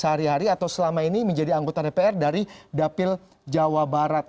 sehari hari atau selama ini menjadi anggota dpr dari dapil jawa barat